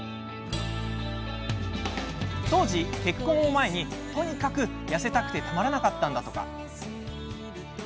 当時、結婚を前にとにかく痩せたくてたまらなかったんだとか。